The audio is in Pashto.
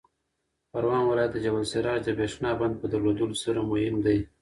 پروان ولایت د جبل السراج د برېښنا بند په درلودلو سره مهم دی.